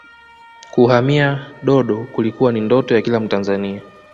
kuhamia dodo kulikuwa ni ndoto ya kila mtanzania